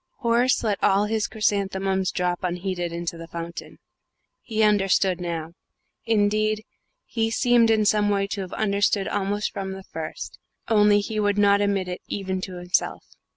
Horace let all his chrysanthemums drop unheeded into the fountain. He understood now: indeed, he seemed in some way to have understood almost from the first, only he would not admit it even to himself.